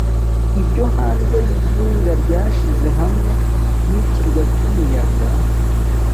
ibyo hanze yizinga ryashize hamwe nikirwa cyumuyaga